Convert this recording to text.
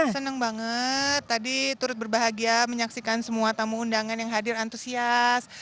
senang banget tadi turut berbahagia menyaksikan semua tamu undangan yang hadir antusias